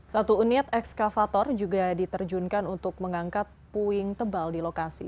satu unit ekskavator juga diterjunkan untuk mengangkat puing tebal di lokasi